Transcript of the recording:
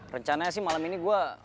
rencananya sih malam ini gue